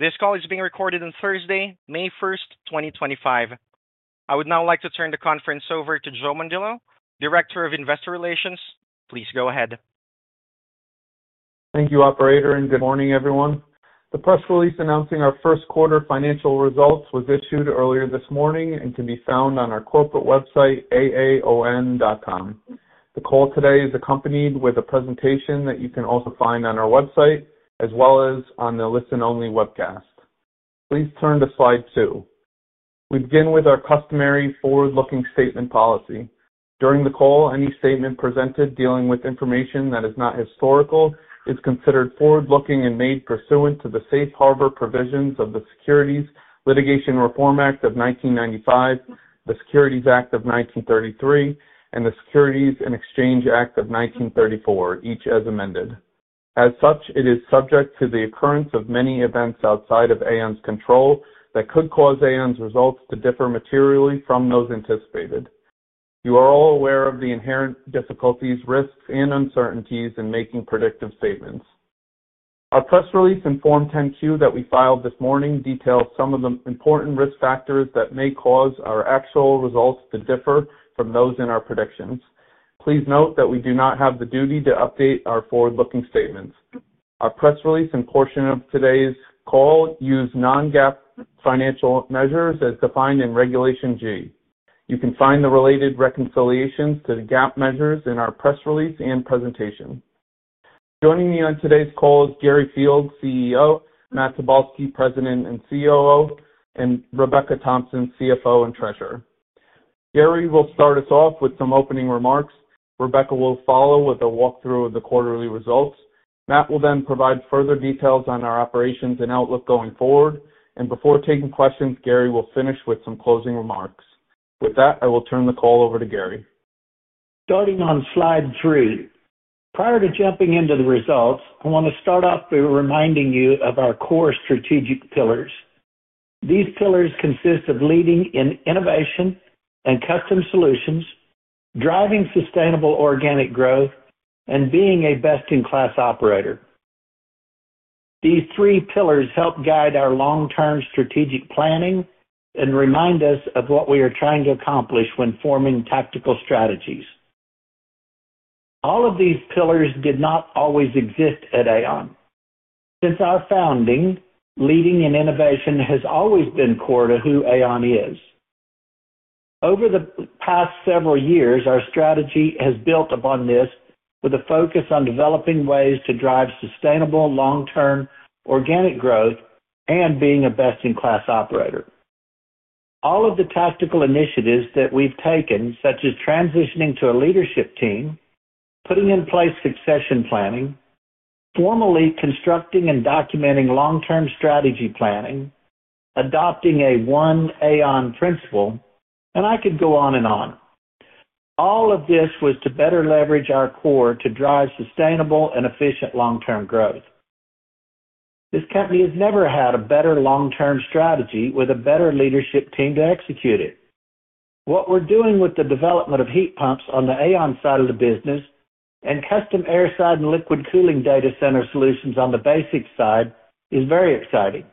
This call is being recorded on Thursday, May 1st, 2025. I would now like to turn the conference over to Joe Mondillo, Director of Investor Relations. Please go ahead. Thank you, Operator, and good morning, everyone. The press release announcing our first quarter financial results was issued earlier this morning and can be found on our corporate website, aaon.com. The call today is accompanied with a presentation that you can also find on our website as well as on the listen-only webcast. Please turn to slide two. We begin with our customary forward-looking statement policy. During the call, any statement presented dealing with information that is not historical is considered forward-looking and made pursuant to the safe harbor provisions of the Securities Litigation Reform Act of 1995, the Securities Act of 1933, and the Securities and Exchange Act of 1934, each as amended. As such, it is subject to the occurrence of many events outside of AAON's control that could cause AAON's results to differ materially from those anticipated. You are all aware of the inherent difficulties, risks, and uncertainties in making predictive statements. Our press release and Form 10-Q that we filed this morning detail some of the important risk factors that may cause our actual results to differ from those in our predictions. Please note that we do not have the duty to update our forward-looking statements. Our press release and portion of today's call use Non-GAAP financial measures as defined in Regulation G. You can find the related reconciliations to the GAAP measures in our press release and presentation. Joining me on today's call is Gary Fields, CEO, Matt Tobolski, President and COO, and Rebecca Thompson, CFO and Treasurer. Gary will start us off with some opening remarks. Rebecca will follow with a walkthrough of the quarterly results. Matt will then provide further details on our operations and outlook going forward. Before taking questions, Gary will finish with some closing remarks. With that, I will turn the call over to Gary. Starting on slide three, prior to jumping into the results, I want to start off by reminding you of our core strategic pillars. These pillars consist of leading in innovation and custom solutions, driving sustainable organic growth, and being a best-in-class operator. These three pillars help guide our long-term strategic planning and remind us of what we are trying to accomplish when forming tactical strategies. All of these pillars did not always exist at AAON. Since our founding, leading in innovation has always been core to who AAON is. Over the past several years, our strategy has built upon this with a focus on developing ways to drive sustainable long-term organic growth and being a best-in-class operator. All of the tactical initiatives that we've taken, such as transitioning to a leadership team, putting in place succession planning, formally constructing and documenting long-term strategy planning, adopting a One AAON principle, and I could go on and on. All of this was to better leverage our core to drive sustainable and efficient long-term growth. This company has never had a better long-term strategy with a better leadership team to execute it. What we're doing with the development of heat pumps on the AAON side of the business and custom air side and liquid cooling data center solutions on the BASX side is very exciting.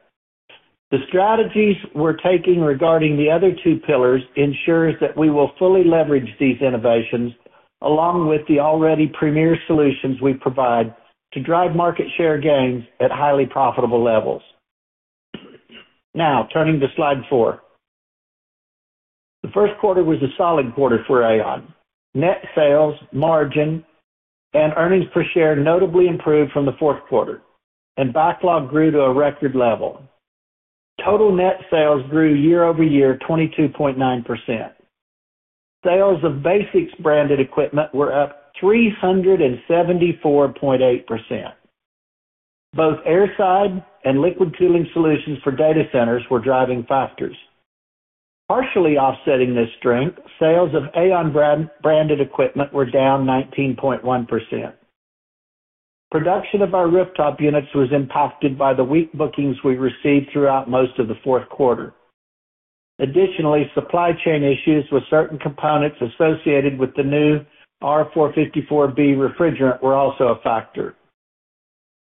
The strategies we're taking regarding the other two pillars ensure that we will fully leverage these innovations along with the already premier solutions we provide to drive market share gains at highly profitable levels. Now, turning to slide four, the first quarter was a solid quarter for AAON. Net sales, margin, and earnings per share notably improved from the fourth quarter, and backlog grew to a record level. Total net sales grew year-over-year 22.9%. Sales of Basics branded equipment were up 374.8%. Both air side and liquid cooling solutions for data centers were driving factors. Partially offsetting this strength, sales of AAON branded equipment were down 19.1%. Production of our rooftop units was impacted by the weak bookings we received throughout most of the fourth quarter. Additionally, supply chain issues with certain components associated with the new R-454B refrigerant were also a factor.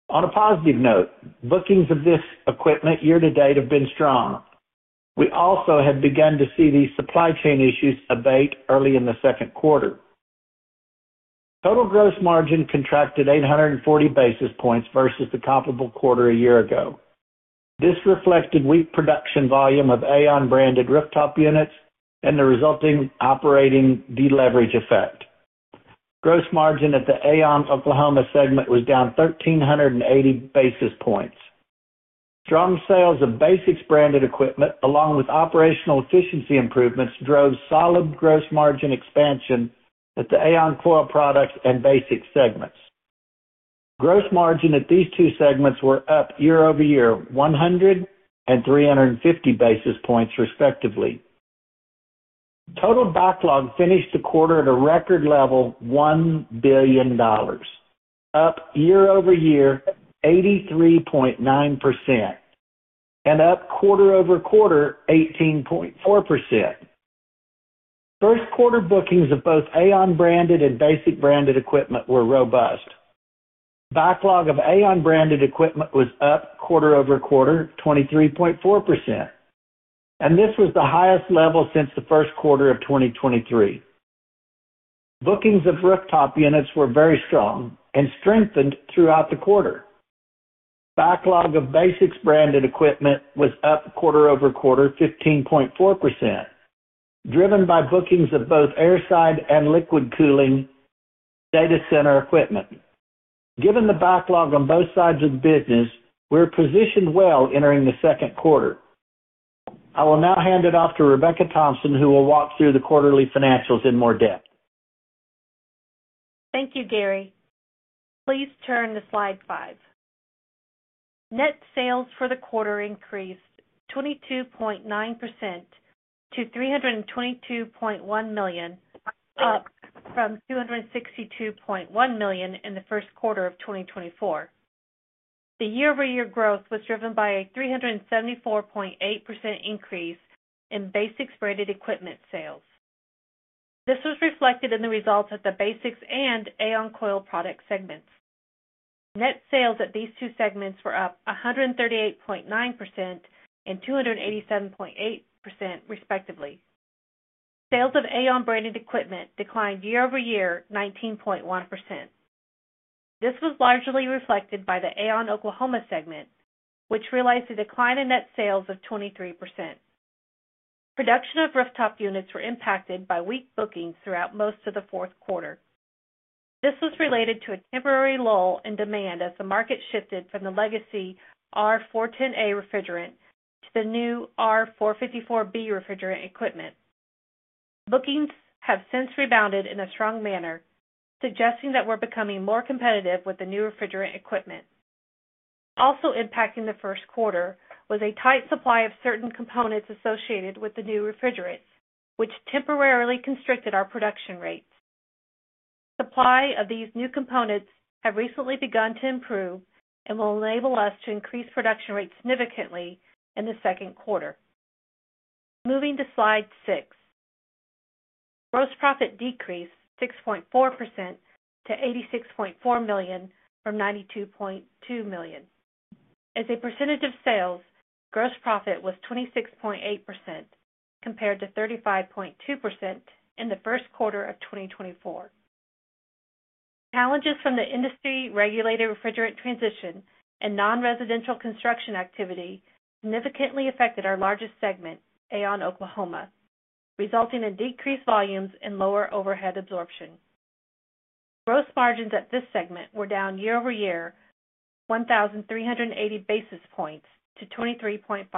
On a positive note, bookings of this equipment year to date have been strong. We also have begun to see these supply chain issues abate early in the second quarter. Total gross margin contracted 840 basis points versus the comparable quarter a year ago. This reflected weak production volume of AAON branded rooftop units and the resulting operating deleverage effect. Gross margin at the AAON Oklahoma segment was down 1,380 basis points. Strong sales of Basics branded equipment along with operational efficiency improvements drove solid gross margin expansion at the AAON Coil Products and Basics segments. Gross margin at these two segments were up year-over-year 100 and 350 basis points respectively. Total backlog finished the quarter at a record level $1 billion, up year-over-year 83.9% and up quarter-over-quarter 18.4%. First quarter bookings of both AAON branded and Basics branded equipment were robust. Backlog of AAON branded equipment was up quarter-over-quarter 23.4%, and this was the highest level since the first quarter of 2023. Bookings of rooftop units were very strong and strengthened throughout the quarter. Backlog of Basics branded equipment was up quarter-over-quarter 15.4%, driven by bookings of both air side and liquid cooling data center equipment. Given the backlog on both sides of the business, we're positioned well entering the second quarter. I will now hand it off to Rebecca Thompson, who will walk through the quarterly financials in more depth. Thank you, Gary. Please turn to slide five. Net sales for the quarter increased 22.9%-$322.1 million, up from $262.1 million in the first quarter of 2024. The year-over-year growth was driven by a 374.8% increase in Basics-branded equipment sales. This was reflected in the results at the Basics and AAON Coil Products segments. Net sales at these two segments were up 138.9% and 287.8% respectively. Sales of AAON branded equipment declined year-over-year 19.1%. This was largely reflected by the AAON Oklahoma segment, which realized a decline in net sales of 23%. Production of rooftop units were impacted by weak bookings throughout most of the fourth quarter. This was related to a temporary lull in demand as the market shifted from the legacy R-410A refrigerant to the new R-454B refrigerant equipment. Bookings have since rebounded in a strong manner, suggesting that we're becoming more competitive with the new refrigerant equipment. Also impacting the first quarter was a tight supply of certain components associated with the new refrigerants, which temporarily constricted our production rates. Supply of these new components has recently begun to improve and will enable us to increase production rates significantly in the second quarter. Moving to slide six, gross profit decreased 6.4% to $86.4 million from $92.2 million. As a percentage of sales, gross profit was 26.8% compared to 35.2% in the first quarter of 2024. Challenges from the industry-regulated refrigerant transition and non-residential construction activity significantly affected our largest segment, AAON Oklahoma, resulting in decreased volumes and lower overhead absorption. Gross margins at this segment were down year-over-year 1,380 basis points to 23.5%.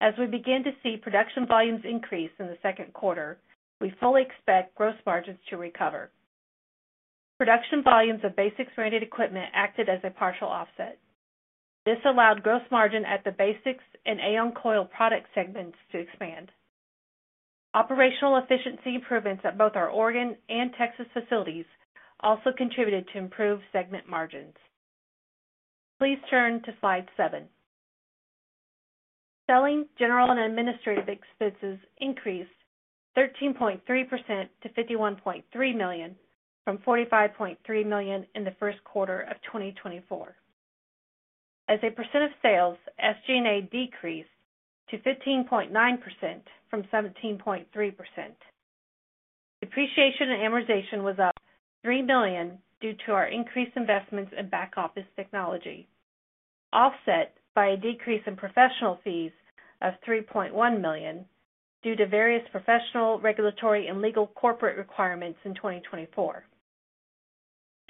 As we begin to see production volumes increase in the second quarter, we fully expect gross margins to recover. Production volumes of Basics-branded equipment acted as a partial offset. This allowed gross margin at the Basics and AAON Coil Products segments to expand. Operational efficiency improvements at both our Oregon and Texas facilities also contributed to improved segment margins. Please turn to slide seven. Selling, general, and administrative expenses increased 13.3% to $51.3 million from $45.3 million in the first quarter of 2024. As a percent of sales, SG&A decreased to 15.9% from 17.3%. Depreciation and amortization was up $3 million due to our increased investments in back office technology, offset by a decrease in professional fees of $3.1 million due to various professional, regulatory, and legal corporate requirements in 2024.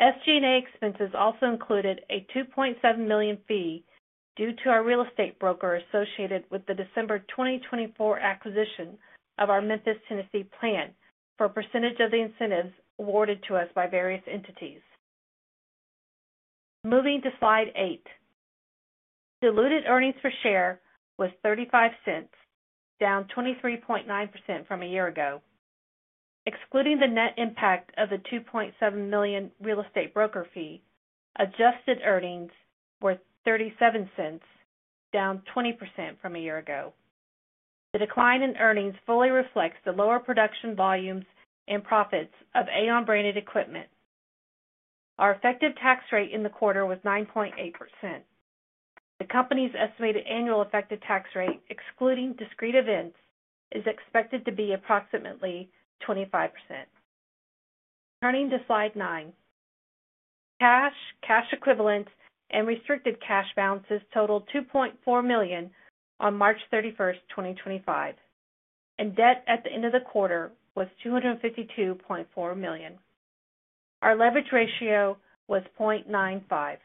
SG&A expenses also included a $2.7 million fee due to our real estate broker associated with the December 2024 acquisition of our Memphis, Tennessee plant for a percentage of the incentives awarded to us by various entities. Moving to slide eight, diluted earnings per share was $0.35, down 23.9% from a year ago. Excluding the net impact of the $2.7 million real estate broker fee, adjusted earnings were $0.37, down 20% from a year ago. The decline in earnings fully reflects the lower production volumes and profits of AAON branded equipment. Our effective tax rate in the quarter was 9.8%. The company's estimated annual effective tax rate, excluding discrete events, is expected to be approximately 25%. Turning to slide nine, cash, cash equivalents, and restricted cash balances totaled $2.4 million on March 31, 2025, and debt at the end of the quarter was $252.4 million. Our leverage ratio was 0.95.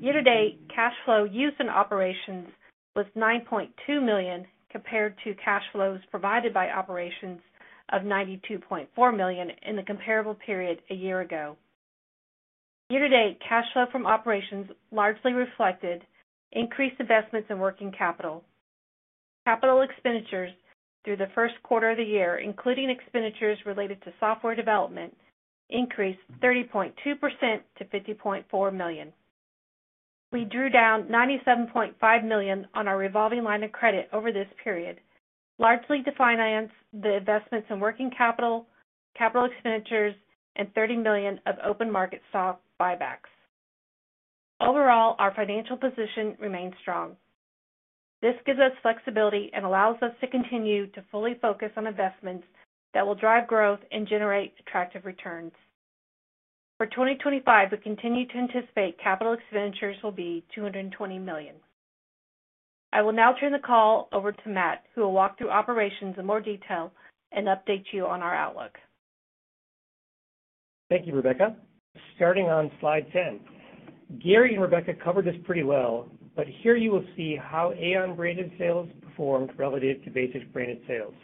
Year to date, cash flow used in operations was $9.2 million compared to cash flows provided by operations of $92.4 million in the comparable period a year ago. Year to date, cash flow from operations largely reflected increased investments in working capital. Capital expenditures through the first quarter of the year, including expenditures related to software development, increased 30.2% to $50.4 million. We drew down $97.5 million on our revolving line of credit over this period, largely to finance the investments in working capital, capital expenditures, and $30 million of open market stock buybacks. Overall, our financial position remains strong. This gives us flexibility and allows us to continue to fully focus on investments that will drive growth and generate attractive returns. For 2025, we continue to anticipate capital expenditures will be $220 million. I will now turn the call over to Matt, who will walk through operations in more detail and update you on our outlook. Thank you, Rebecca. Starting on slide 10, Gary and Rebecca covered this pretty well, but here you will see how AAON branded sales performed relative to Basics branded sales.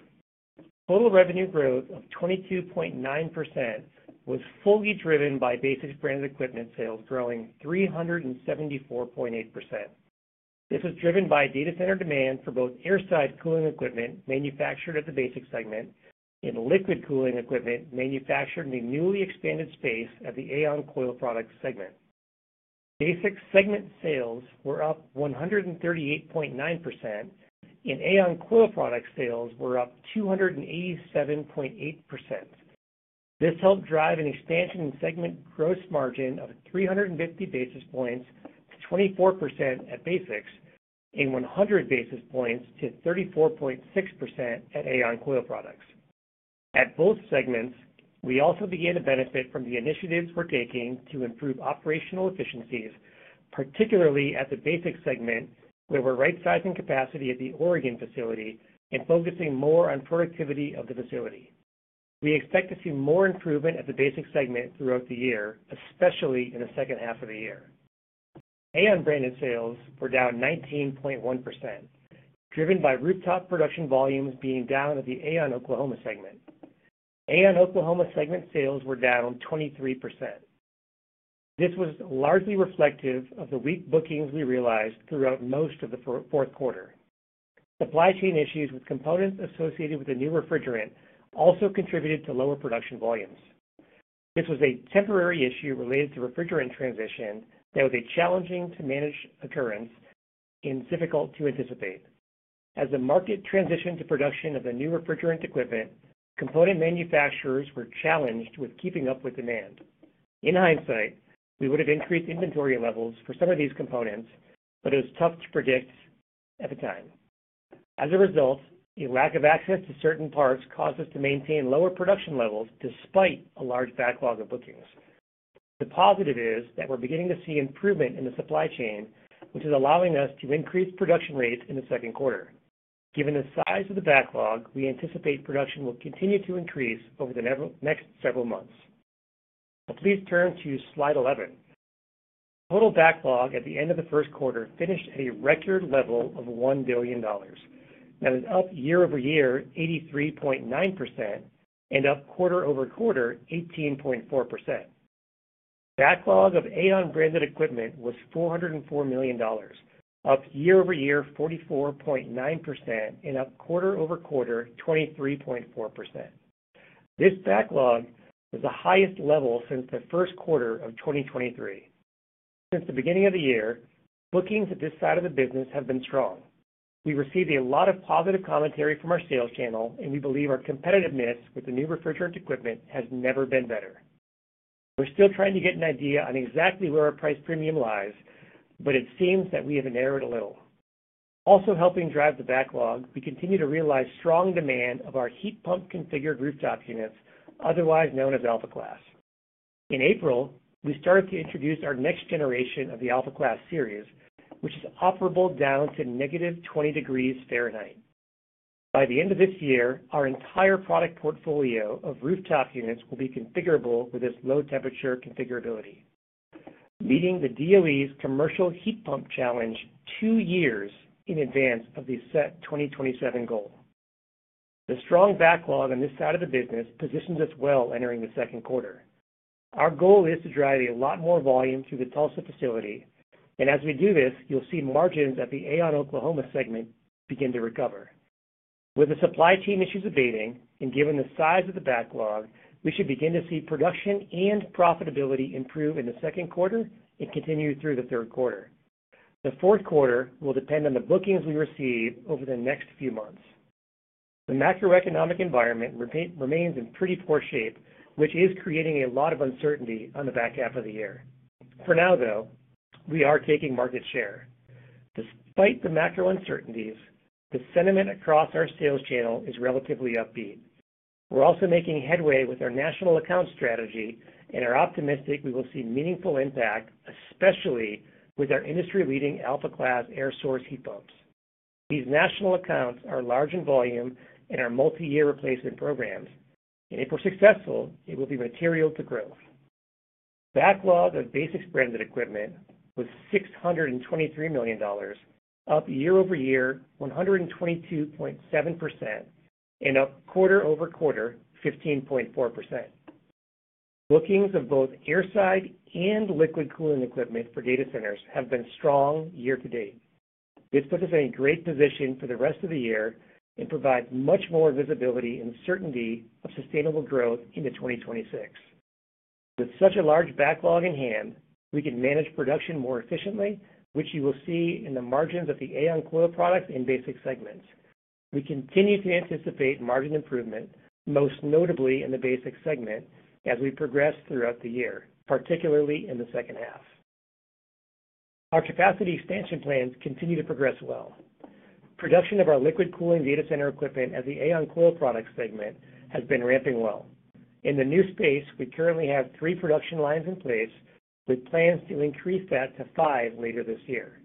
Total revenue growth of 22.9% was fully driven by Basics branded equipment sales growing 374.8%. This was driven by data center demand for both air side cooling equipment manufactured at the Basics segment and liquid cooling equipment manufactured in the newly expanded space at the AAON Coil Products segment. Basics segment sales were up 138.9%, and AAON Coil Products sales were up 287.8%. This helped drive an expansion in segment gross margin of 350 basis points to 24% at Basics and 100 basis points to 34.6% at AAON Coil Products. At both segments, we also began to benefit from the initiatives we are taking to improve operational efficiencies, particularly at the Basics segment, where we are right-sizing capacity at the Oregon facility and focusing more on productivity of the facility. We expect to see more improvement at the Basics segment throughout the year, especially in the second half of the year. AAON branded sales were down 19.1%, driven by rooftop production volumes being down at the AAON Oklahoma segment. AAON Oklahoma segment sales were down 23%. This was largely reflective of the weak bookings we realized throughout most of the fourth quarter. Supply chain issues with components associated with the new refrigerant also contributed to lower production volumes. This was a temporary issue related to refrigerant transition that was a challenging to manage occurrence and difficult to anticipate. As the market transitioned to production of the new refrigerant equipment, component manufacturers were challenged with keeping up with demand. In hindsight, we would have increased inventory levels for some of these components, but it was tough to predict at the time. As a result, a lack of access to certain parts caused us to maintain lower production levels despite a large backlog of bookings. The positive is that we're beginning to see improvement in the supply chain, which is allowing us to increase production rates in the second quarter. Given the size of the backlog, we anticipate production will continue to increase over the next several months. Please turn to slide 11. Total backlog at the end of the first quarter finished at a record level of $1 billion. That is up year-over-year 83.9% and up quarter-over-quarter 18.4%. Backlog of AAON branded equipment was $404 million, up year-over-year 44.9% and up quarter-over-quarter 23.4%. This backlog was the highest level since the first quarter of 2023. Since the beginning of the year, bookings at this side of the business have been strong. We received a lot of positive commentary from our sales channel, and we believe our competitiveness with the new refrigerant equipment has never been better. We're still trying to get an idea on exactly where our price premium lies, but it seems that we have narrowed a little. Also helping drive the backlog, we continue to realize strong demand of our heat pump configured rooftop units, otherwise known as Alpha Class. In April, we started to introduce our next generation of the Alpha Class series, which is operable down to -20 degrees Fahrenheit. By the end of this year, our entire product portfolio of rooftop units will be configurable with this low temperature configurability, meeting the DOE's Commercial Heat Pump Challenge two years in advance of the set 2027 goal. The strong backlog on this side of the business positions us well entering the second quarter. Our goal is to drive a lot more volume to the Tulsa facility, and as we do this, you'll see margins at the AAON Oklahoma segment begin to recover. With the supply chain issues abating and given the size of the backlog, we should begin to see production and profitability improve in the second quarter and continue through the third quarter. The fourth quarter will depend on the bookings we receive over the next few months. The macroeconomic environment remains in pretty poor shape, which is creating a lot of uncertainty on the back half of the year. For now, though, we are taking market share. Despite the macro uncertainties, the sentiment across our sales channel is relatively upbeat. We're also making headway with our national account strategy and are optimistic we will see meaningful impact, especially with our industry-leading Alpha Class air source heat pumps. These national accounts are large in volume and are multi-year replacement programs, and if we're successful, it will be material to growth. Backlog of Basics branded equipment was $623 million, up year-over-year 122.7% and up quarter-over-quarter 15.4%. Bookings of both air side and liquid cooling equipment for data centers have been strong year to date. This puts us in a great position for the rest of the year and provides much more visibility and certainty of sustainable growth into 2026. With such a large backlog in hand, we can manage production more efficiently, which you will see in the margins of the AAON Coil Products and Basics segments. We continue to anticipate margin improvement, most notably in the Basics segment, as we progress throughout the year, particularly in the second half. Our capacity expansion plans continue to progress well. Production of our liquid cooling data center equipment at the AAON Coil Products segment has been ramping well. In the new space, we currently have three production lines in place with plans to increase that to five later this year.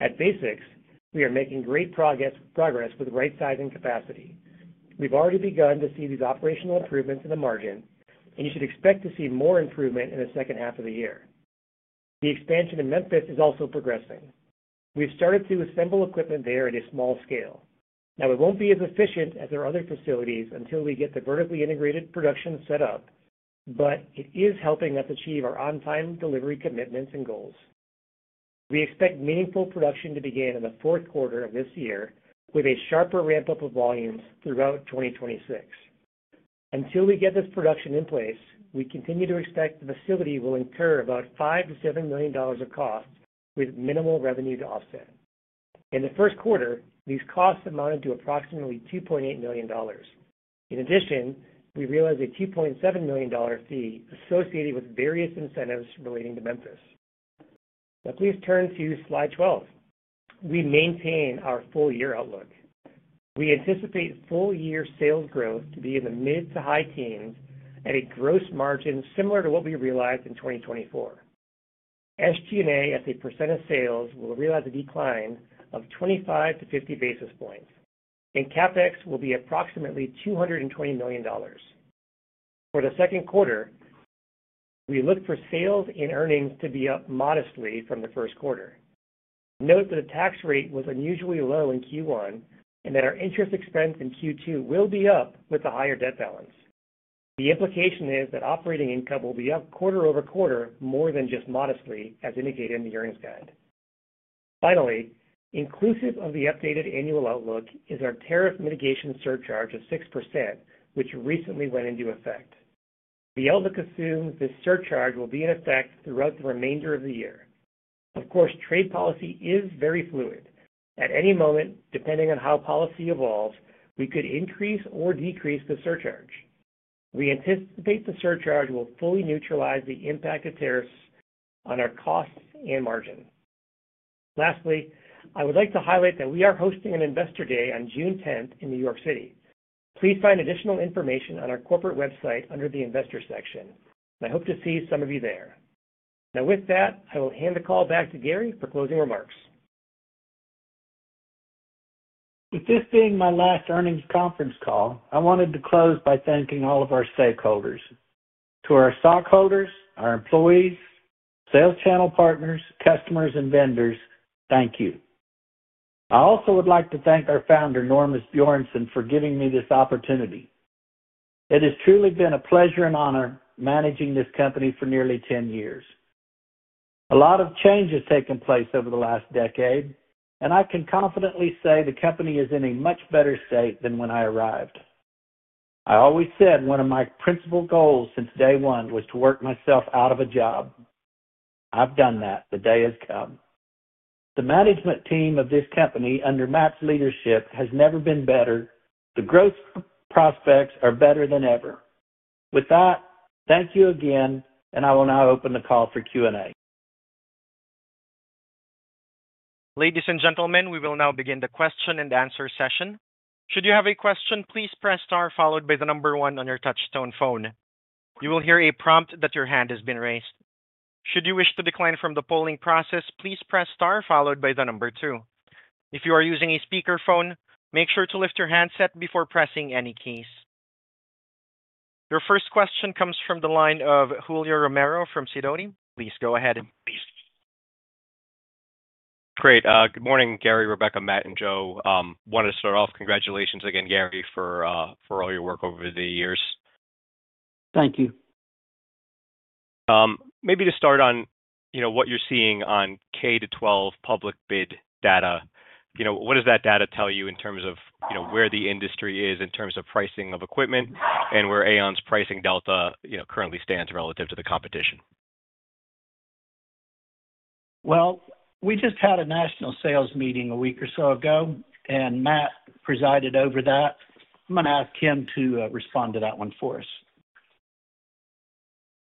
At Basics, we are making great progress with right-sizing capacity. We've already begun to see these operational improvements in the margin, and you should expect to see more improvement in the second half of the year. The expansion in Memphis is also progressing. We've started to assemble equipment there at a small scale. Now, it won't be as efficient as our other facilities until we get the vertically integrated production set up, but it is helping us achieve our on-time delivery commitments and goals. We expect meaningful production to begin in the fourth quarter of this year with a sharper ramp-up of volumes throughout 2026. Until we get this production in place, we continue to expect the facility will incur about $5-$7 million of costs with minimal revenue to offset. In the first quarter, these costs amounted to approximately $2.8 million. In addition, we realized a $2.7 million fee associated with various incentives relating to Memphis. Now, please turn to slide 12. We maintain our full year outlook. We anticipate full year sales growth to be in the mid to high teens at a gross margin similar to what we realized in 2024. SG&A at a percent of sales will realize a decline of 25-50 basis points, and CapEx will be approximately $220 million. For the second quarter, we look for sales and earnings to be up modestly from the first quarter. Note that the tax rate was unusually low in Q1 and that our interest expense in Q2 will be up with a higher debt balance. The implication is that operating income will be up quarter-over-quarter more than just modestly, as indicated in the earnings guide. Finally, inclusive of the updated annual outlook is our tariff mitigation surcharge of 6%, which recently went into effect. The outlook assumes this surcharge will be in effect throughout the remainder of the year. Of course, trade policy is very fluid. At any moment, depending on how policy evolves, we could increase or decrease the surcharge. We anticipate the surcharge will fully neutralize the impact of tariffs on our costs and margin. Lastly, I would like to highlight that we are hosting an Investor Day on June 10th in New York City. Please find additional information on our corporate website under the Investor section. I hope to see some of you there. Now, with that, I will hand the call back to Gary for closing remarks. With this being my last earnings conference call, I wanted to close by thanking all of our stakeholders. To our stockholders, our employees, sales channel partners, customers, and vendors, thank you. I also would like to thank our Founder, Norm Asbjornson, for giving me this opportunity. It has truly been a pleasure and honor managing this company for nearly 10 years. A lot of change has taken place over the last decade, and I can confidently say the company is in a much better state than when I arrived. I always said one of my principal goals since day one was to work myself out of a job. I've done that. The day has come. The management team of this company under Matt's leadership has never been better. The growth prospects are better than ever. With that, thank you again, and I will now open the call for Q&A. Ladies and gentlemen, we will now begin the question and answer session. Should you have a question, please press star followed by the number one on your touch-tone phone. You will hear a prompt that your hand has been raised. Should you wish to decline from the polling process, please press star followed by the number two. If you are using a speakerphone, make sure to lift your handset before pressing any keys. Your first question comes from the line of Julio Romero from Sidoti. Please go ahead. Great. Good morning, Gary, Rebecca, Matt, and Joe. I wanted to start off, congratulations again, Gary, for all your work over the years. Thank you. Maybe to start on what you're seeing on K-12 public bid data, what does that data tell you in terms of where the industry is in terms of pricing of equipment and where AAON's pricing delta currently stands relative to the competition? We just had a national sales meeting a week or so ago, and Matt presided over that. I'm going to ask him to respond to that one for us.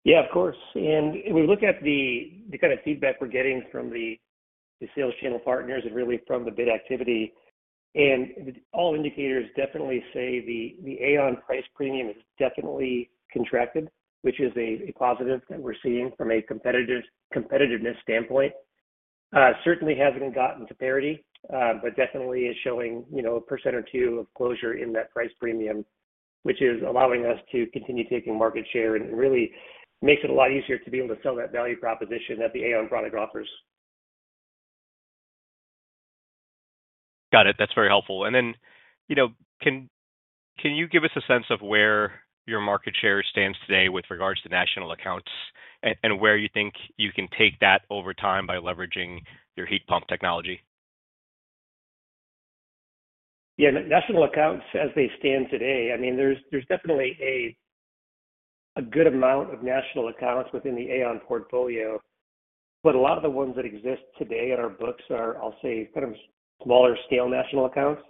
Yeah, of course. We look at the kind of feedback we're getting from the sales channel partners and really from the bid activity, and all indicators definitely say the AAON price premium has definitely contracted, which is a positive that we're seeing from a competitiveness standpoint. It certainly hasn't gotten to parity, but definitely is showing a percent or two of closure in that price premium, which is allowing us to continue taking market share and really makes it a lot easier to be able to sell that value proposition that the AAON product offers. Got it. That's very helpful. Can you give us a sense of where your market share stands today with regards to national accounts and where you think you can take that over time by leveraging your heat pump technology? Yeah. National accounts, as they stand today, I mean, there's definitely a good amount of national accounts within the AAON portfolio, but a lot of the ones that exist today in our books are, I'll say, kind of smaller scale national accounts.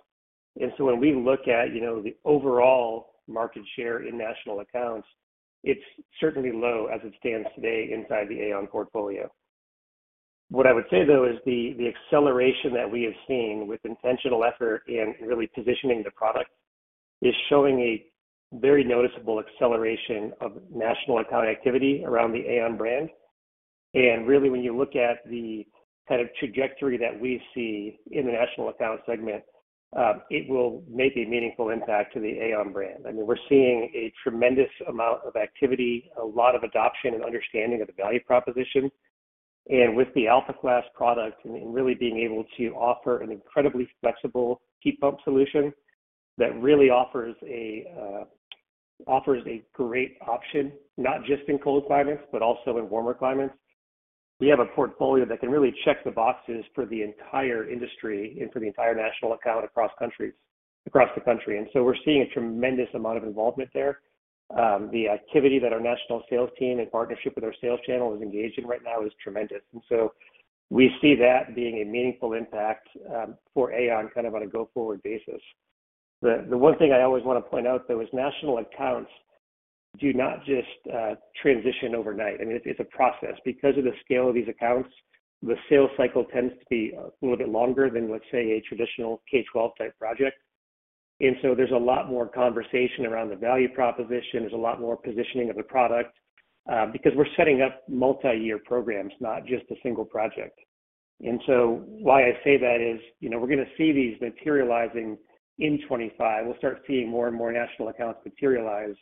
When we look at the overall market share in national accounts, it's certainly low as it stands today inside the AAON portfolio. What I would say, though, is the acceleration that we have seen with intentional effort and really positioning the product is showing a very noticeable acceleration of national account activity around the AAON brand. Really, when you look at the kind of trajectory that we see in the national account segment, it will make a meaningful impact to the AAON brand. I mean, we're seeing a tremendous amount of activity, a lot of adoption and understanding of the value proposition. With the Alpha Class product and really being able to offer an incredibly flexible heat pump solution that really offers a great option, not just in cold climates, but also in warmer climates, we have a portfolio that can really check the boxes for the entire industry and for the entire national account across the country. We are seeing a tremendous amount of involvement there. The activity that our national sales team in partnership with our sales channel is engaged in right now is tremendous. We see that being a meaningful impact for AAON kind of on a go-forward basis. The one thing I always want to point out, though, is national accounts do not just transition overnight. I mean, it is a process. Because of the scale of these accounts, the sales cycle tends to be a little bit longer than, let's say, a traditional K12-type project. There is a lot more conversation around the value proposition. There is a lot more positioning of the product because we're setting up multi-year programs, not just a single project. Why I say that is we're going to see these materializing in 2025. We'll start seeing more and more national accounts materialize.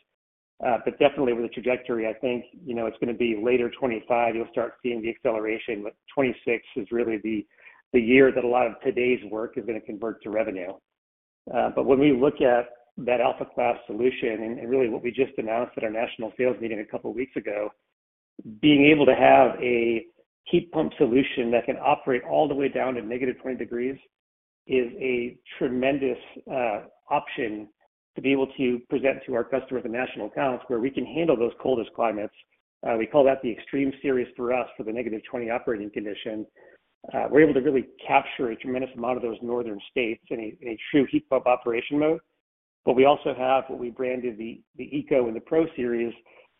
Definitely, with the trajectory, I think it's going to be later 2025 you'll start seeing the acceleration, but 2026 is really the year that a lot of today's work is going to convert to revenue. When we look at that Alpha Class solution and really what we just announced at our national sales meeting a couple of weeks ago, being able to have a heat pump solution that can operate all the way down to -20 degrees is a tremendous option to be able to present to our customers and national accounts where we can handle those coldest climates. We call that the Extreme series for us for the negative 20 operating condition. We're able to really capture a tremendous amount of those northern states in a true heat pump operation mode. We also have what we branded the Eco and the Pro series,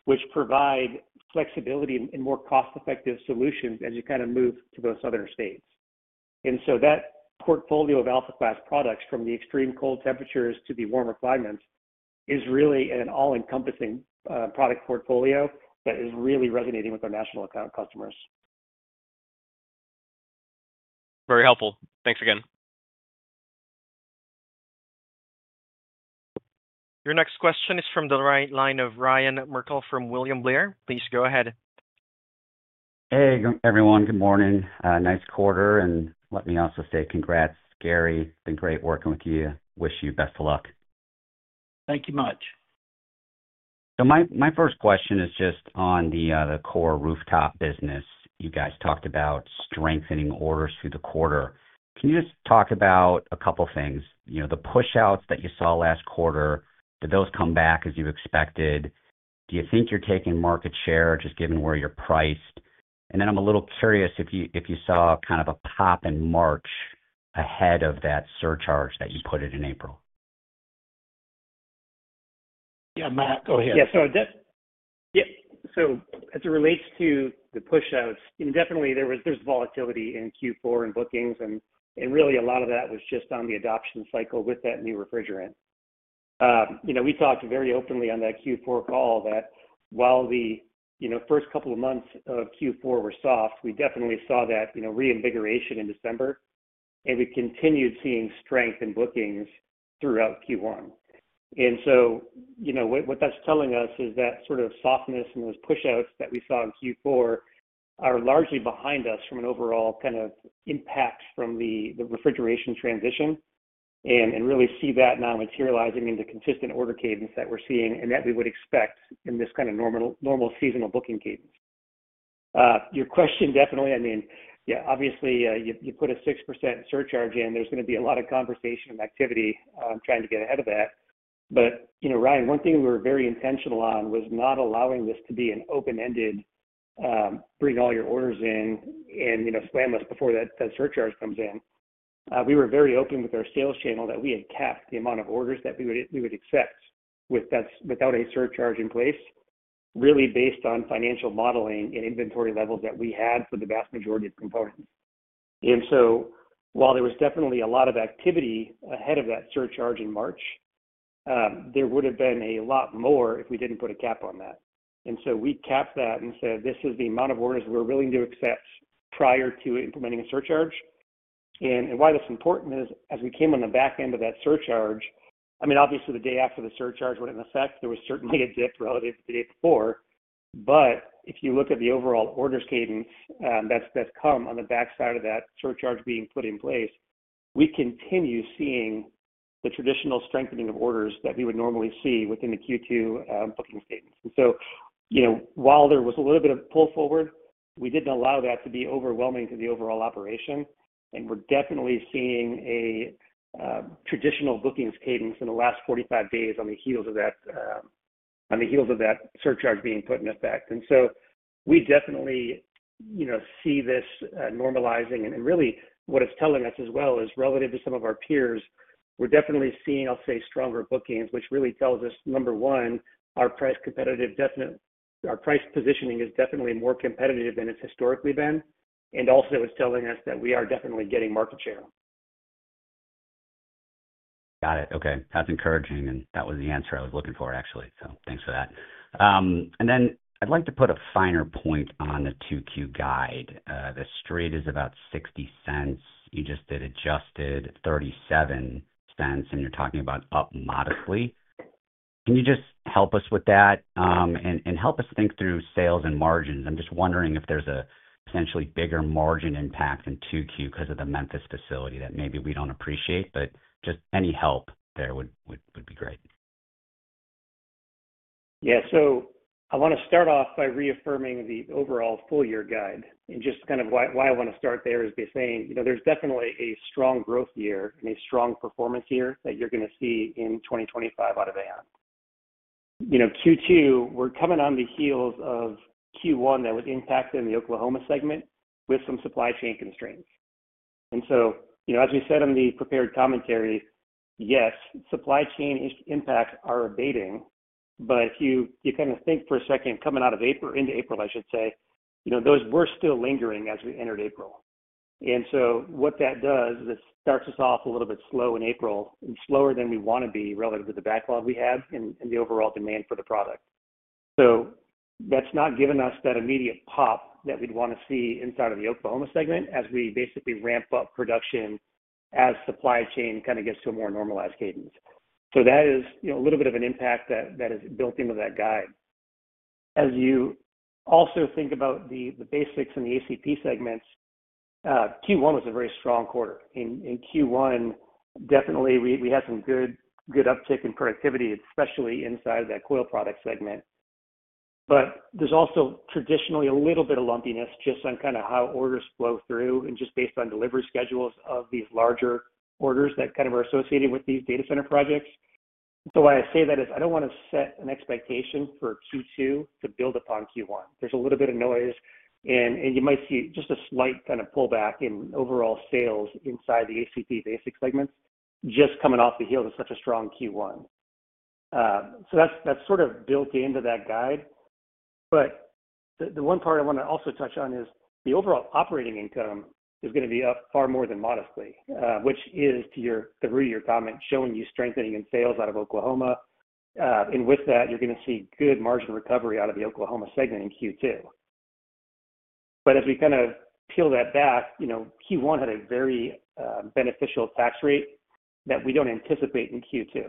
which provide flexibility and more cost-effective solutions as you kind of move to those southern states. That portfolio of Alpha Class products from the extreme cold temperatures to the warmer climates is really an all-encompassing product portfolio that is really resonating with our national account customers. Very helpful. Thanks again. Your next question is from the right line of Ryan Merkel from William Blair. Please go ahead. Hey, everyone. Good morning. Nice quarter. Let me also say congrats, Gary. It's been great working with you. Wish you best of luck. Thank you very much. My first question is just on the core rooftop business. You guys talked about strengthening orders through the quarter. Can you just talk about a couple of things? The push-outs that you saw last quarter, did those come back as you expected? Do you think you're taking market share just given where you're priced? I'm a little curious if you saw kind of a pop in March ahead of that surcharge that you put in in April. Yeah, Matt, go ahead. Yeah. As it relates to the push-outs, definitely there's volatility in Q4 and bookings. Really, a lot of that was just on the adoption cycle with that new refrigerant. We talked very openly on that Q4 call that while the first couple of months of Q4 were soft, we definitely saw that reinvigoration in December, and we continued seeing strength in bookings throughout Q1. What that's telling us is that sort of softness and those push-outs that we saw in Q4 are largely behind us from an overall kind of impact from the refrigeration transition and really see that now materializing into consistent order cadence that we're seeing and that we would expect in this kind of normal seasonal booking cadence. Your question definitely, I mean, yeah, obviously, you put a 6% surcharge in. is going to be a lot of conversation and activity trying to get ahead of that. Ryan, one thing we were very intentional on was not allowing this to be an open-ended bring all your orders in and slam us before that surcharge comes in. We were very open with our sales channel that we had capped the amount of orders that we would accept without a surcharge in place, really based on financial modeling and inventory levels that we had for the vast majority of components. While there was definitely a lot of activity ahead of that surcharge in March, there would have been a lot more if we did not put a cap on that. We capped that and said, "This is the amount of orders we're willing to accept prior to implementing a surcharge." Why that's important is as we came on the back end of that surcharge, I mean, obviously, the day after the surcharge went into effect, there was certainly a dip relative to the day before. If you look at the overall orders cadence that's come on the backside of that surcharge being put in place, we continue seeing the traditional strengthening of orders that we would normally see within the Q2 booking Cadence. While there was a little bit of pull forward, we didn't allow that to be overwhelming to the overall operation. We're definitely seeing a traditional bookings Cadence in the last 45 days on the heels of that surcharge being put into effect. We definitely see this normalizing. Really, what it's telling us as well is relative to some of our peers, we're definitely seeing, I'll say, stronger bookings, which really tells us, number one, our price positioning is definitely more competitive than it's historically been. Also, it's telling us that we are definitely getting market share. Got it. Okay. That's encouraging. That was the answer I was looking for, actually. Thanks for that. I'd like to put a finer point on the 2Q guide. The straight is about $0.60. You just did adjusted $0.37, and you're talking about up modestly. Can you just help us with that and help us think through sales and margins? I'm just wondering if there's a potentially bigger margin impact in 2Q because of the Memphis facility that maybe we do not appreciate, but just any help there would be great. Yeah. I want to start off by reaffirming the overall full year guide. Just kind of why I want to start there is by saying there's definitely a strong growth year and a strong performance year that you're going to see in 2025 out of AAON. Q2, we're coming on the heels of Q1 that was impacted in the Oklahoma segment with some supply chain constraints. As we said in the prepared commentary, yes, supply chain impacts are abating. If you kind of think for a second, coming out of April, into April, I should say, those were still lingering as we entered April. What that does is it starts us off a little bit slow in April and slower than we want to be relative to the backlog we have and the overall demand for the product. That's not given us that immediate pop that we'd want to see inside of the Oklahoma segment as we basically ramp up production as supply chain kind of gets to a more normalized cadence. That is a little bit of an impact that is built into that guide. As you also think about the Basics and the ACP segments, Q1 was a very strong quarter. In Q1, definitely, we had some good uptick in productivity, especially inside of that coil product segment. There's also traditionally a little bit of lumpiness just on kind of how orders flow through and just based on delivery schedules of these larger orders that are associated with these data center projects. Why I say that is I don't want to set an expectation for Q2 to build upon Q1. There's a little bit of noise, and you might see just a slight kind of pullback in overall sales inside the ACP Basics segments just coming off the heels of such a strong Q1. That is sort of built into that guide. The one part I want to also touch on is the overall operating income is going to be up far more than modestly, which is through your comment showing you strengthening in sales out of Oklahoma. With that, you're going to see good margin recovery out of the Oklahoma segment in Q2. As we kind of peel that back, Q1 had a very beneficial tax rate that we do not anticipate in Q2.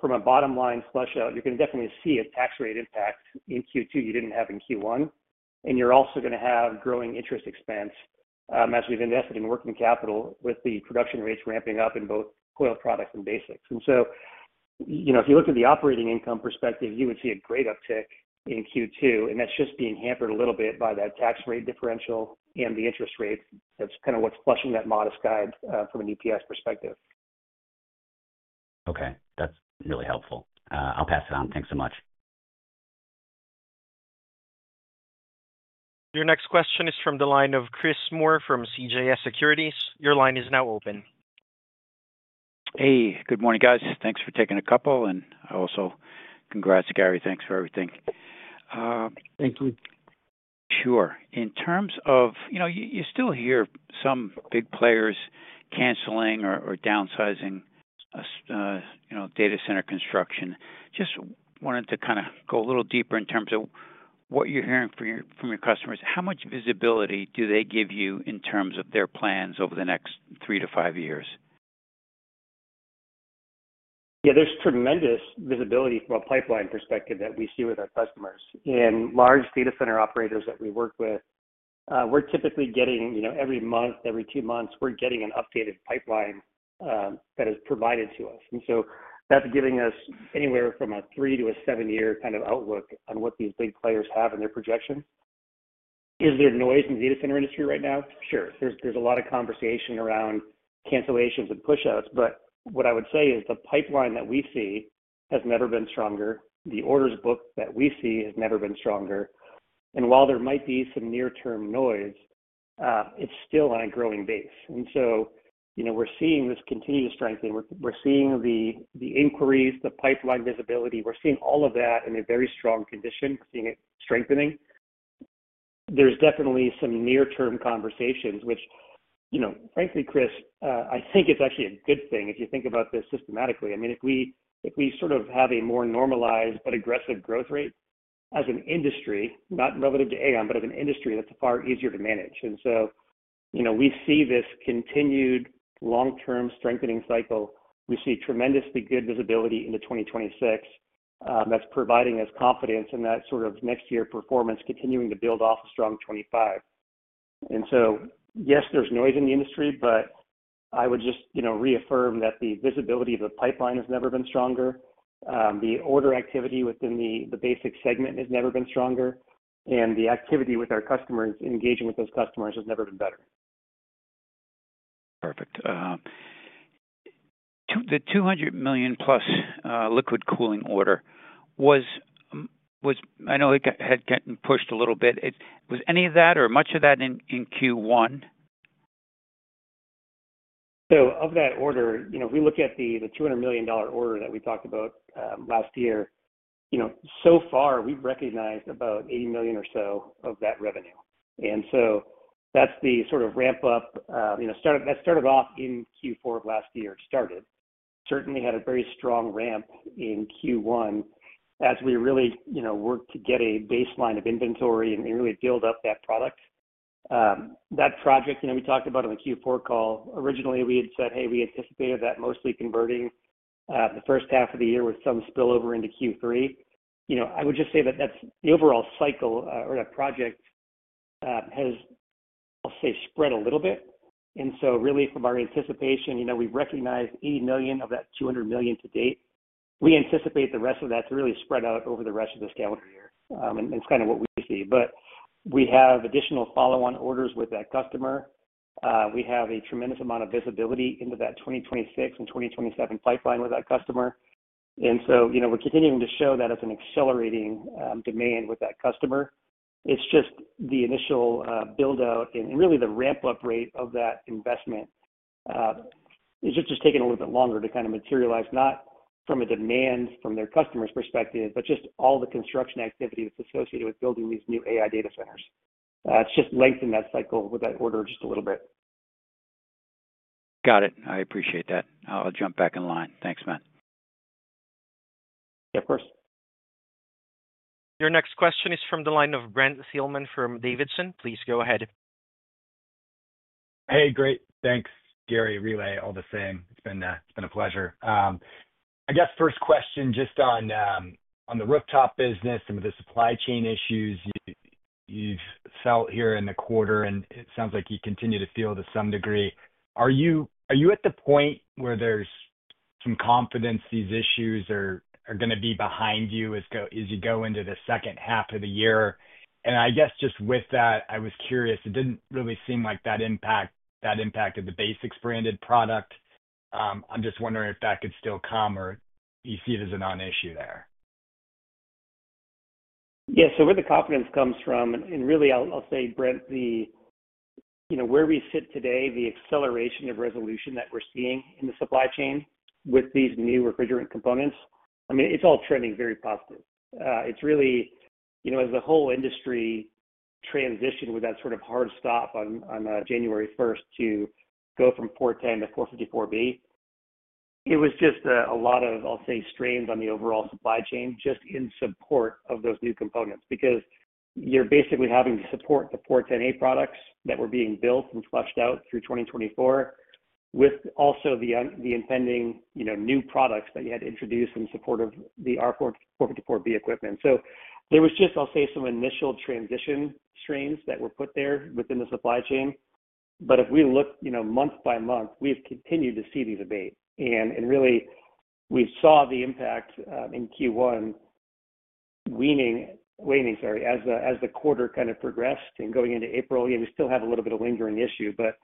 From a bottom-line flush-out, you're going to definitely see a tax rate impact in Q2 you did not have in Q1. You're also going to have growing interest expense as we've invested in working capital with the production rates ramping up in both Coil Products and Basics. If you look at the operating income perspective, you would see a great uptick in Q2. That's just being hampered a little bit by that tax rate differential and the interest rates. That's kind of what's flushing that modest guide from an EPS perspective. Okay. That's really helpful. I'll pass it on. Thanks so much. Your next question is from the line of Chris Moore from CJS Securities. Your line is now open. Hey, good morning, guys. Thanks for taking a couple. I also congrats, Gary. Thanks for everything. Thank you. Sure. In terms of you still hear some big players canceling or downsizing data center construction. Just wanted to kind of go a little deeper in terms of what you're hearing from your customers. How much visibility do they give you in terms of their plans over the next three to five years? Yeah, there's tremendous visibility from a pipeline perspective that we see with our customers. Large data center operators that we work with, we're typically getting every month, every two months, we're getting an updated pipeline that is provided to us. That is giving us anywhere from a three-to-seven-year kind of outlook on what these big players have in their projections. Is there noise in the data center industry right now? Sure. There's a lot of conversation around cancellations and push-outs. What I would say is the pipeline that we see has never been stronger. The orders book that we see has never been stronger. While there might be some near-term noise, it's still on a growing base. We're seeing this continued strengthen. We're seeing the inquiries, the pipeline visibility. We're seeing all of that in a very strong condition, seeing it strengthening. There's definitely some near-term conversations, which, frankly, Chris, I think it's actually a good thing if you think about this systematically. I mean, if we sort of have a more normalized but aggressive growth rate as an industry, not relative to AAON, but as an industry, that's far easier to manage. We see this continued long-term strengthening cycle. We see tremendously good visibility into 2026 that's providing us confidence in that sort of next-year performance continuing to build off of strong 2025. Yes, there's noise in the industry, but I would just reaffirm that the visibility of the pipeline has never been stronger. The order activity within the Basics segment has never been stronger. The activity with our customers, engaging with those customers, has never been better. Perfect. The $200 million-plus liquid cooling order, I know it had gotten pushed a little bit. Was any of that or much of that in Q1? Of that order, if we look at the $200 million order that we talked about last year, so far, we've recognized about $80 million or so of that revenue. That is the sort of ramp-up. That started off in Q4 of last year. It started. Certainly had a very strong ramp in Q1 as we really worked to get a baseline of inventory and really build up that product. That project we talked about on the Q4 call, originally, we had said, "Hey, we anticipated that mostly converting the first half of the year with some spillover into Q3." I would just say that the overall cycle or that project has, I'll say, spread a little bit. Really, from our anticipation, we recognize $80 million of that $200 million to date. We anticipate the rest of that to really spread out over the rest of this calendar year. It is kind of what we see. We have additional follow-on orders with that customer. We have a tremendous amount of visibility into that 2026 and 2027 pipeline with that customer. We are continuing to show that as an accelerating demand with that customer. It is just the initial build-out and really the ramp-up rate of that investment. It has just taken a little bit longer to kind of materialize, not from a demand from their customer's perspective, but just all the construction activity that is associated with building these new AI data centers. It has just lengthened that cycle with that order just a little bit. Got it. I appreciate that. I'll jump back in line. Thanks, man. Yeah, of course. Your next question is from the line of Brent Thielman from D.A. Davidson. Please go ahead. Hey, great. Thanks, Gary. Relay, all the same. It's been a pleasure. I guess first question just on the rooftop business, some of the supply chain issues you've felt here in the quarter, and it sounds like you continue to feel to some degree. Are you at the point where there's some confidence these issues are going to be behind you as you go into the second half of the year? I guess just with that, I was curious. It didn't really seem like that impacted the Basics-branded product. I'm just wondering if that could still come or you see it as a non-issue there. Yeah. So where the confidence comes from, and really, I'll say, Brent, where we sit today, the acceleration of resolution that we're seeing in the supply chain with these new refrigerant components, I mean, it's all trending very positive. It's really, as the whole industry transitioned with that sort of hard stop on January 1st to go from 410 to 454B, it was just a lot of, I'll say, strains on the overall supply chain just in support of those new components because you're basically having to support the 410A products that were being built and flushed out through 2024 with also the impending new products that you had to introduce in support of the R-454B equipment. So there was just, I'll say, some initial transition strains that were put there within the supply chain. If we look month by month, we've continued to see these abate. We saw the impact in Q1 waning, sorry, as the quarter kind of progressed and going into April. We still have a little bit of lingering issue, but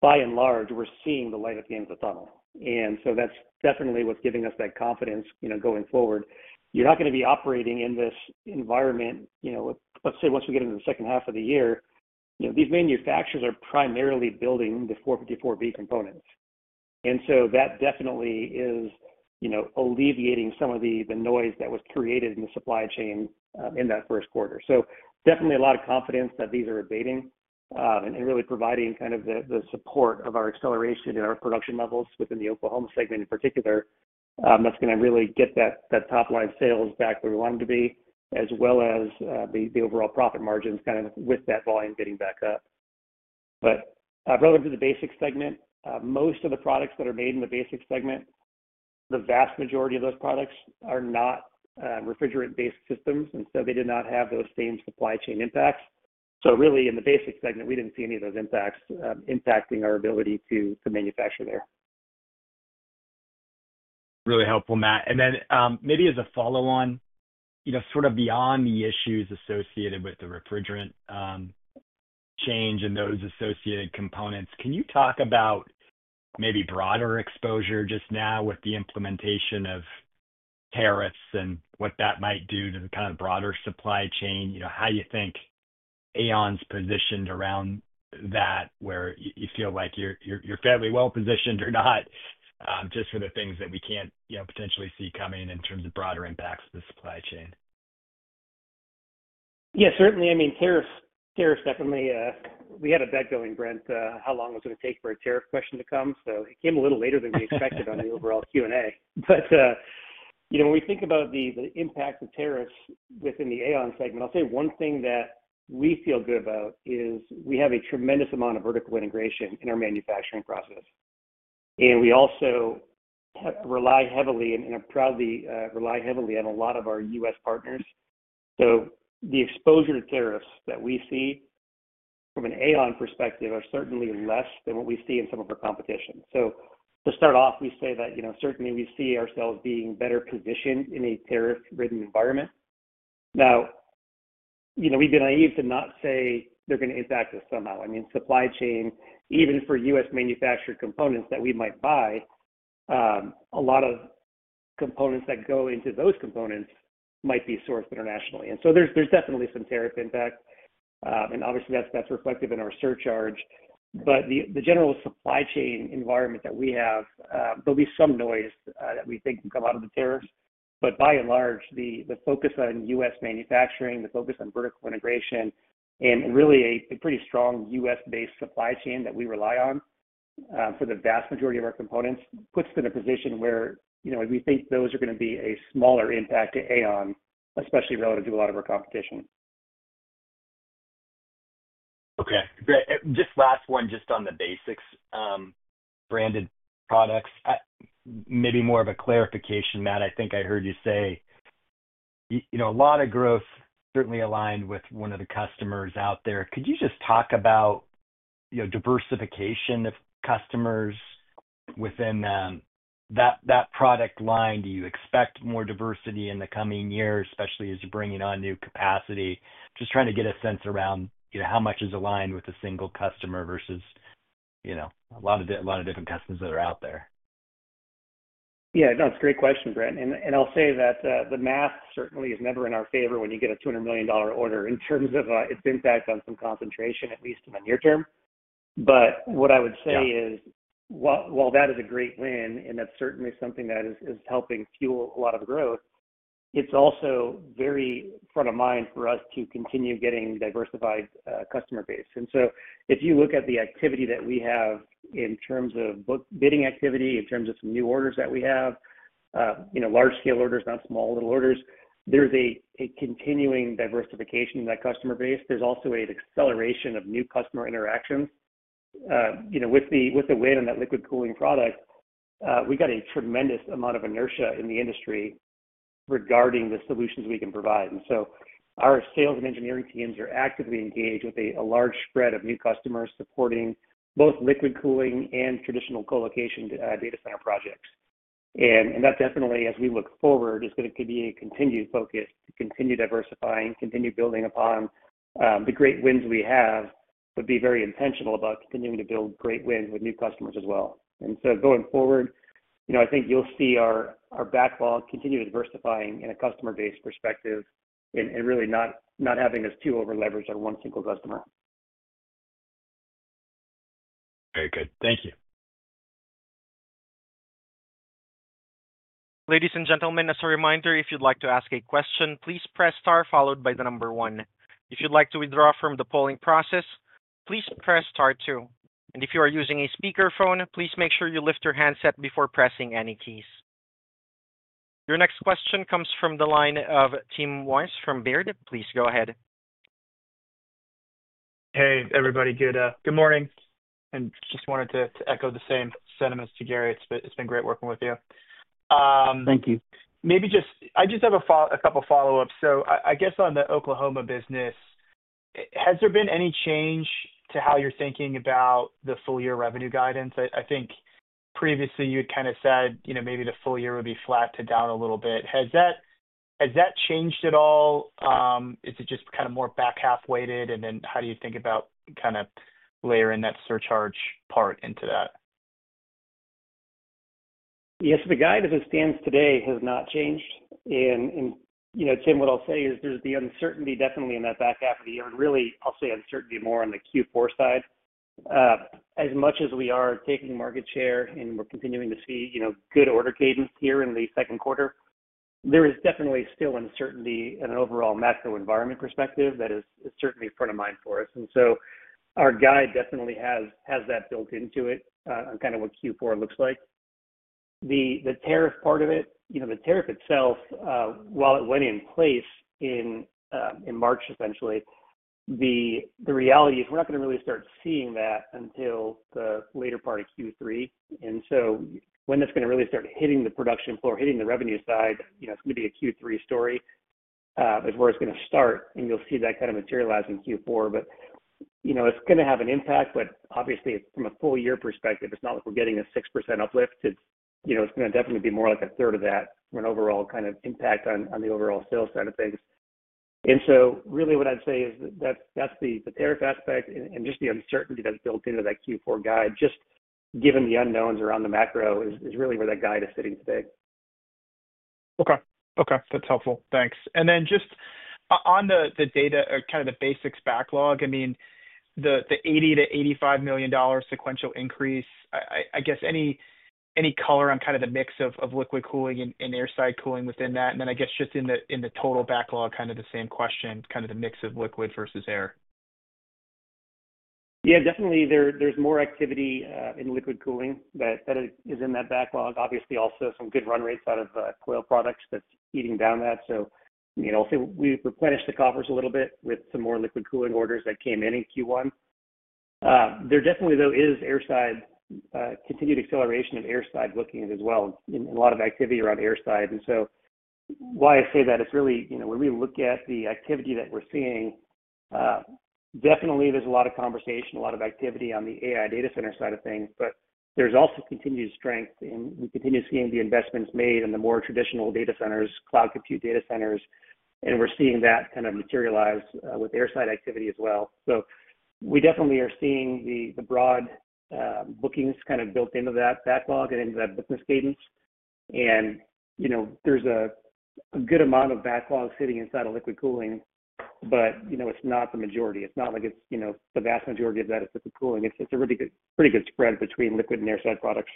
by and large, we're seeing the light at the end of the tunnel. That is definitely what's giving us that confidence going forward. You're not going to be operating in this environment, let's say, once we get into the second half of the year. These manufacturers are primarily building the 454B components. That definitely is alleviating some of the noise that was created in the supply chain in that first quarter. There is a lot of confidence that these are abating and really providing kind of the support of our acceleration and our production levels within the Oklahoma segment in particular. That's going to really get that top-line sales back where we want them to be, as well as the overall profit margins kind of with that volume getting back up. Relative to the Basics segment, most of the products that are made in the Basics segment, the vast majority of those products are not refrigerant-based systems. They did not have those same supply chain impacts. Really, in the Basics segment, we did not see any of those impacts impacting our ability to manufacture there. Really helpful, Matt. Maybe as a follow-on, sort of beyond the issues associated with the refrigerant change and those associated components, can you talk about maybe broader exposure just now with the implementation of tariffs and what that might do to the kind of broader supply chain? How do you think AAON's positioned around that, where you feel like you're fairly well positioned or not, just for the things that we can't potentially see coming in terms of broader impacts to the supply chain? Yeah, certainly. I mean, tariffs definitely. We had a bet going, Brent, how long was it going to take for a tariff question to come? It came a little later than we expected on the overall Q&A. When we think about the impact of tariffs within the AAON segment, I'll say one thing that we feel good about is we have a tremendous amount of vertical integration in our manufacturing process. We also rely heavily and proudly rely heavily on a lot of our U.S. partners. The exposure to tariffs that we see from an AAON perspective is certainly less than what we see in some of our competition. To start off, we say that certainly we see ourselves being better positioned in a tariff-ridden environment. We've been naive to not say they're going to impact us somehow. I mean, supply chain, even for U.S.-manufactured components that we might buy, a lot of components that go into those components might be sourced internationally. There is definitely some tariff impact. Obviously, that's reflective in our surcharge. The general supply chain environment that we have, there will be some noise that we think will come out of the tariffs. By and large, the focus on U.S. manufacturing, the focus on vertical integration, and really a pretty strong U.S.-based supply chain that we rely on for the vast majority of our components puts them in a position where we think those are going to be a smaller impact to AAON, especially relative to a lot of our competition. Okay. Just last one, just on the Basics branded products. Maybe more of a clarification, Matt. I think I heard you say a lot of growth certainly aligned with one of the customers out there. Could you just talk about diversification of customers within that product line? Do you expect more diversity in the coming years, especially as you're bringing on new capacity? Just trying to get a sense around how much is aligned with a single customer versus a lot of different customers that are out there. Yeah. No, it's a great question, Brent. I'll say that the math certainly is never in our favor when you get a $200 million order in terms of its impact on some concentration, at least in the near term. What I would say is, while that is a great win, and that's certainly something that is helping fuel a lot of growth, it's also very front of mind for us to continue getting diversified customer base. If you look at the activity that we have in terms of bidding activity, in terms of some new orders that we have, large-scale orders, not small little orders, there's a continuing diversification in that customer base. There's also an acceleration of new customer interactions. With the win on that liquid cooling product, we've got a tremendous amount of inertia in the industry regarding the solutions we can provide. Our sales and engineering teams are actively engaged with a large spread of new customers supporting both liquid cooling and traditional colocation data center projects. That definitely, as we look forward, is going to be a continued focus to continue diversifying, continue building upon the great wins we have, but be very intentional about continuing to build great wins with new customers as well. Going forward, I think you'll see our backlog continue diversifying in a customer-based perspective and really not having us too over-leveraged on one single customer. Very good. Thank you. Ladies and gentlemen, as a reminder, if you'd like to ask a question, please press star followed by the number one. If you'd like to withdraw from the polling process, please press star two. If you are using a speakerphone, please make sure you lift your handset before pressing any keys. Your next question comes from the line of Tim Wojs from Baird. Please go ahead. Hey, everybody. Good morning. I just wanted to echo the same sentiments to Gary. It's been great working with you. Thank you. Maybe I just have a couple of follow-ups. I guess on the Oklahoma business, has there been any change to how you're thinking about the full-year revenue guidance? I think previously, you had kind of said maybe the full year would be flat to down a little bit. Has that changed at all? Is it just kind of more back half-weighted? How do you think about kind of layering that surcharge part into that? Yes. The guide as it stands today has not changed. Tim, what I'll say is there's the uncertainty definitely in that back half of the year. Really, I'll say uncertainty more on the Q4 side. As much as we are taking market share and we're continuing to see good order cadence here in the second quarter, there is definitely still uncertainty in an overall macro environment perspective that is certainly front of mind for us. Our guide definitely has that built into it on kind of what Q4 looks like. The tariff part of it, the tariff itself, while it went in place in March, essentially, the reality is we're not going to really start seeing that until the later part of Q3. When that's going to really start hitting the production floor, hitting the revenue side, it's going to be a Q3 story as where it's going to start. You'll see that kind of materialize in Q4. It's going to have an impact. Obviously, from a full-year perspective, it's not like we're getting a 6% uplift. It's definitely going to be more like a third of that from an overall kind of impact on the overall sales side of things. Really, what I'd say is that's the tariff aspect and just the uncertainty that's built into that Q4 guide, just given the unknowns around the macro is really where that guide is sitting today. Okay. Okay. That's helpful. Thanks. Just on the data, kind of the Basics backlog, I mean, the $80 million-$85 million sequential increase, I guess any color on kind of the mix of liquid cooling and side cooling within that? I guess just in the total backlog, kind of the same question, kind of the mix of liquid versus air. Yeah. Definitely, there's more activity in liquid cooling that is in that backlog. Obviously, also some good run rates out of coil products that's eating down that. I'll say we've replenished the coffers a little bit with some more liquid cooling orders that came in in Q1. There definitely, though, is airside continued acceleration of airside bookings as well and a lot of activity around airside. Why I say that is really when we look at the activity that we're seeing, definitely there's a lot of conversation, a lot of activity on the AI data center side of things. There's also continued strength, and we continue seeing the investments made in the more traditional data centers, cloud-compute data centers. We're seeing that kind of materialize with airside activity as well. We definitely are seeing the broad bookings kind of built into that backlog and into that business cadence. There's a good amount of backlog sitting inside of liquid cooling, but it's not the majority. It's not like it's the vast majority of that is liquid cooling. It's a pretty good spread between liquid and airside products.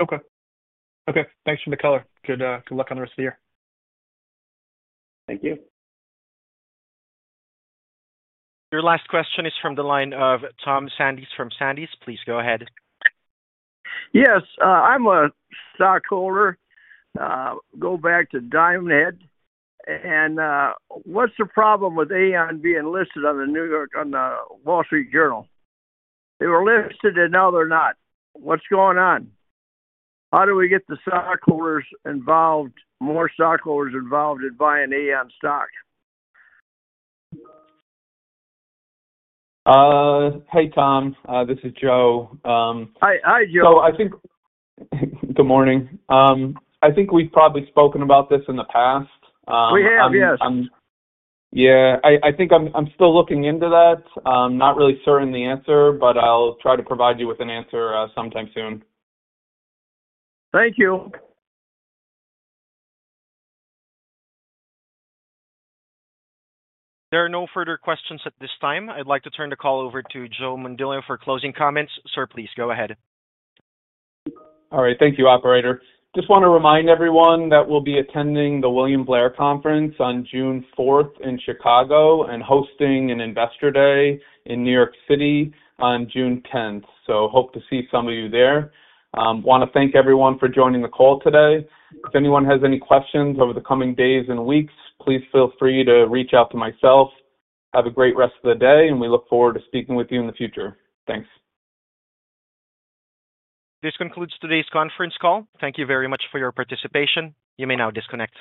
Okay. Okay. Thanks for the color. Good luck on the rest of the year. Thank you. Your last question is from the line of Tom Sandis from Sandys. Please go ahead. Yes. I'm a stockholder. Go back to masthead or Diamond Hill. What's the problem with AAON being listed on the New York on the Wall Street Journal? They were listed, and now they're not. What's going on? How do we get the stockholders involved, more stockholders involved in buying AAON stock? Hey, Tom. This is Joe. Hi, Joe. I think good morning. I think we've probably spoken about this in the past. We have, yes. Yeah. I think I'm still looking into that. I'm not really certain the answer, but I'll try to provide you with an answer sometime soon. Thank you. There are no further questions at this time. I'd like to turn the call over to Joe Mondillo for closing comments. Sir, please go ahead. All right. Thank you, Operator. Just want to remind everyone that we'll be attending the William Blair Conference on June 4th in Chicago and hosting an Investor Day in New York City on June 10th. Hope to see some of you there. Want to thank everyone for joining the call today. If anyone has any questions over the coming days and weeks, please feel free to reach out to myself. Have a great rest of the day, and we look forward to speaking with you in the future. Thanks. This concludes today's conference call. Thank you very much for your participation. You may now disconnect.